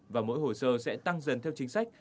và mỗi hồ sơ sẽ tăng dần theo chính sách